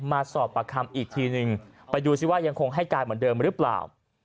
มาสอบปากคำอีกทีนึงไปดูซิว่ายังคงให้การเหมือนเดิมหรือเปล่า